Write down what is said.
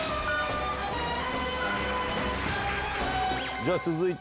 じゃあ続いて。